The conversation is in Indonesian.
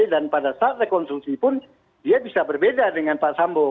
dan pada saat rekonstruksi pun dia bisa berbeda dengan pak sambo